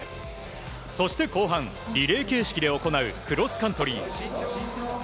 そして、後半リレー形式で行うクロスカントリー。